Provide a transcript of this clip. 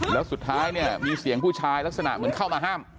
แล้วสุดท้ายเนี่ยมีเสียงผู้ชายลักษณะเหมือนเข้ามาห้าม